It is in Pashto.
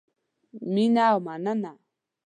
مینه او مننه